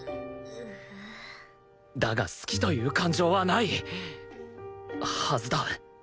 だが好きという感情はないはずだ